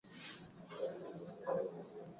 Ninahitaji kuhakikisha kitu.